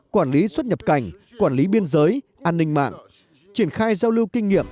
quản lý xuất nhập cảnh quản lý biên giới an ninh mạng triển khai giao lưu kinh nghiệm